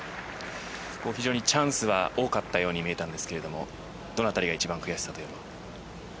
非常にチャンスは多かったように見えたんですがどのあたりが悔しさというのは？